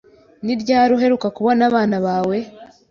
Ni ryari uheruka kubona abana bawe?